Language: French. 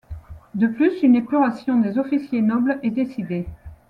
De plus, une épuration des officiers nobles est décidée.